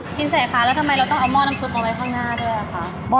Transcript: กินเสร็จค่ะแล้วทำไมเราต้องเอาหม้อน้ำซุปออกไปข้างหน้าด้วยล่ะคะ